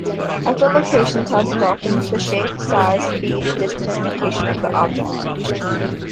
Echolocation tells the dolphins the shape, size, speed, distance, and location of the object.